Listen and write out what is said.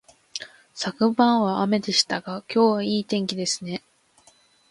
昨晩は雨でしたが、今日はいい天気ですね